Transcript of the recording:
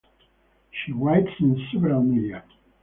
She writes in several media.